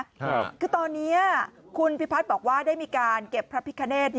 คือตอนนี้คุณพิพัฒน์บอกว่าได้มีการเก็บพระพิคเนธ